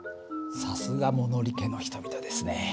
さすが物理家の人々ですね。